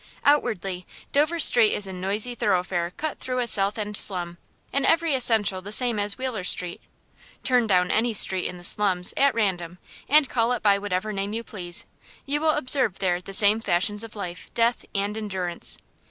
Outwardly, Dover Street is a noisy thoroughfare cut through a South End slum, in every essential the same as Wheeler Street. Turn down any street in the slums, at random, and call it by whatever name you please, you will observe there the same fashions of life, death, and endurance.